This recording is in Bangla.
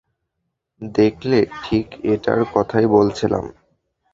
দেখলে, ঠিক এটার কথাই বলছিলাম।